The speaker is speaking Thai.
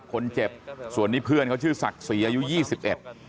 คนเจ็บส่วนนี้เพื่อนเขาชื่อศักดิ์ศรีอายุยี่สิบเอ็ด